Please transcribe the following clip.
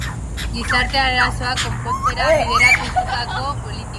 Gizarte arazoak konpontzera bideratutako politika.